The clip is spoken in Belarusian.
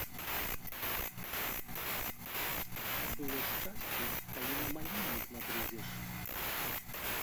Было шчасце, калі на маліннік набрыдзеш.